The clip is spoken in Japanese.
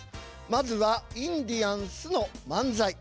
まずはインディアンスの漫才。